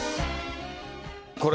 これ、